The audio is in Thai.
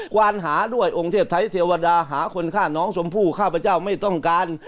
วานหาด้วยองค์เทพไทยเทวดาหาคนฆ่าน้องชมพู่ข้าพเจ้าไม่ต้องการ